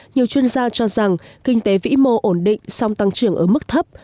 nhiều chuyên gia cho rằng kinh tế vĩ mô ổn định song tăng trưởng ở mức thấp